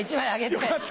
よかった！